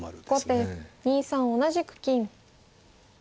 後手２三同じく金。